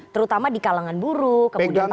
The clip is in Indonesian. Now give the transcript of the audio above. terutama di kalangan buruk kemudian para pekerja